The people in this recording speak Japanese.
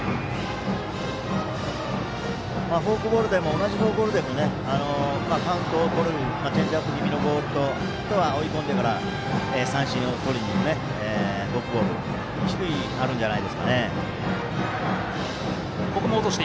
同じフォークボールでもカウントをとるチェンジアップ気味のボールと追い込んでから三振をとりにいくフォークボール２種類あるんじゃないですかね。